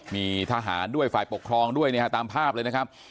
มีทหารด้วยฝ่ายปกครองด้วยนะฮะตามภาพเลยนะครับ